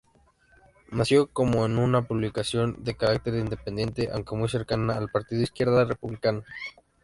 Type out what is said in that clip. Nació como una publicación de carácter independiente, aunque muy cercana al partido Izquierda Republicana.